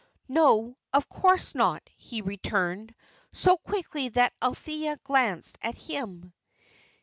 "No, of course not," he returned, so quickly that Althea glanced at him.